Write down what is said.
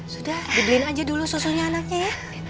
sudah dibeliin aja dulu susunya anaknya ya